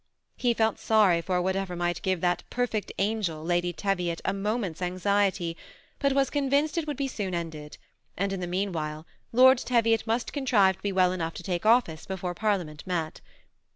He felt sorry for whatever might give that perfect 16 338 THE 8EMI ATTACHED COUPLE. angel, Ladj Teviot, a moment's anxietj, but was con Tinced it would soon be ended ; and in the meanwhile Lord Teviot mast contrive to be well enough to take office before Parliament met.